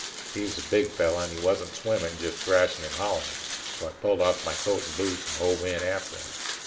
He was a big fellow and he wasn't swimming, just thrashin' and hollering. So I pulled off my coat and boots and hove in after him.